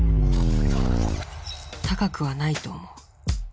高くはないと思う。